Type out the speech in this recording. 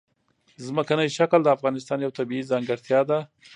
ځمکنی شکل د افغانستان یوه طبیعي ځانګړتیا ده.